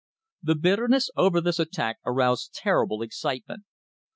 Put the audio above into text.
The bitterness over this attack aroused terrible ex citement.